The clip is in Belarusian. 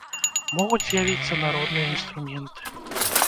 Могуць з'явіцца народныя інструменты.